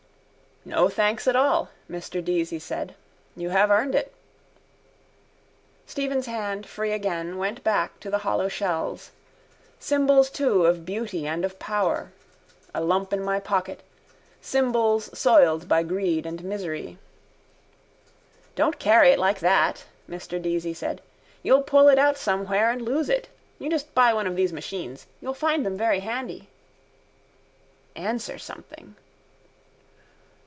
—No thanks at all, Mr Deasy said. You have earned it. Stephen's hand, free again, went back to the hollow shells. Symbols too of beauty and of power. A lump in my pocket: symbols soiled by greed and misery. —Don't carry it like that, Mr Deasy said. You'll pull it out somewhere and lose it. You just buy one of these machines. You'll find them very handy. Answer something.